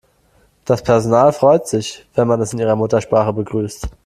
Das Personal freut sich, wenn man es in ihrer Muttersprache begrüßt.